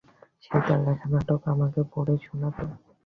সে তার লেখা নাটক আমাকে পড়ে শোনাত।